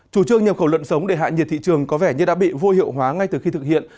chủ trương nhập khẩu lợn sống để hạ nhiệt thị trường có vẻ như đã bị vô hiệu hóa ngay từ khi thực hiện